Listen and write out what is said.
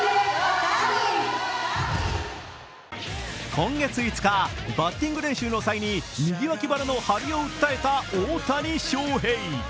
今月５日、バッティング練習の際に右脇腹の張りを訴えた大谷翔平。